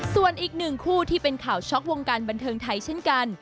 ส่วนอีกหนึ่งคู่ที่เป็นข่าวช็อกวงการบันเทิงไทยเช่นกัน